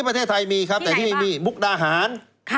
ประเทศไทยมีครับแต่ที่มีมุกดาหาร